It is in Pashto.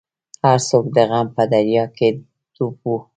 هر څوک د غم په دریا کې ډوب وو.